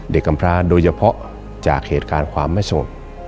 กำพราโดยเฉพาะจากเหตุการณ์ความไม่โสด